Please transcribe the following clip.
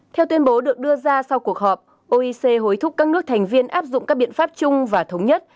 theo tuyên bố được đưa ra sau cuộc họp oec hối thúc các nước thành viên áp dụng các biện pháp chung và thống nhất